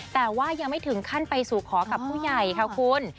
แต่ว่ายังไม่ถึงขั้นไปสู่ขอกับผู้ใหญ่ค่ะคุณ